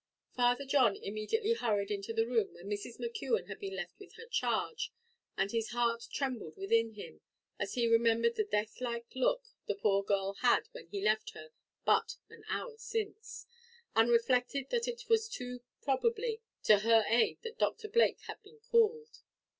Father John immediately hurried into the room, where Mrs. McKeon had been left with her charge; and his heart trembled within him as he remembered the death like look the poor girl had when he left her but an hour since, and reflected that it was too probably to her aid that Doctor Blake had been called.